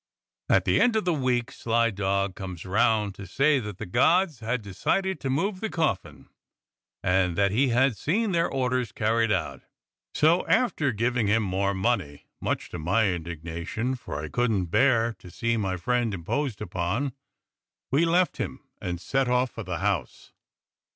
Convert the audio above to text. "At the end of a week sly dog comes round to say that the gods had decided to move the coffin, and that he had seen their orders carried out. So after giving him more money, much to my indignation, for I couldn't bear to see my friend imposed upon, we left him and set off for the house.